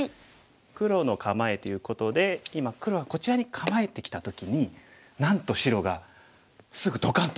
黒の構えということで今黒がこちらに構えてきた時になんと白がすぐドカンと。